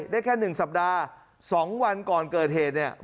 ได้แค่๑สัปดาห์๒วันก่อนเกิดเหตุเนี่ย